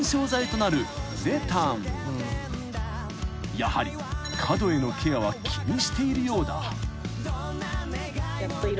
［やはり角へのケアは気にしているようだ］